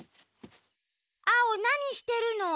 アオなにしてるの？